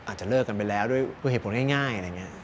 อาจจะเลิกกันไปแล้วด้วยเหตุผลง่าย